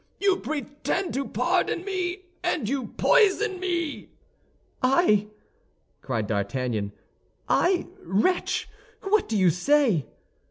You pretend to pardon me, and you poison me!" "I!" cried D'Artagnan. "I, wretch? What do you say?"